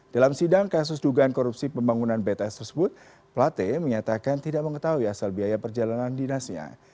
dalam sidang kasus dugaan korupsi pembangunan bts tersebut plate menyatakan tidak mengetahui asal biaya perjalanan dinasnya